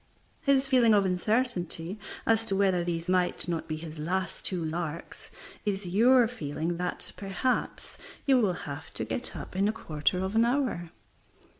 His feeling of uncertainty as to whether these might not be his last two larks is your feeling that, perhaps, you will have to get up in a quarter of an hour.